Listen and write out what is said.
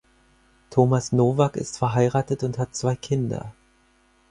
Tomasz Nowak ist verheiratet und hat zwei Kinder.